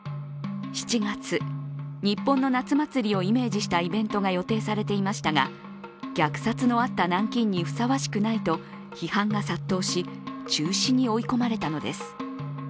７月、日本の夏祭りをイメージしたイベントが予定されていましたが虐殺のあった南京にふさわしくないと批判が殺到し、中止に追い込まれたのです。